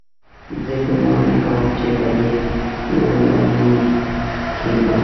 زه ګومان نه کوم چې په دې ټولو اعلانونو کې به.